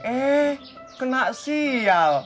eh kena sial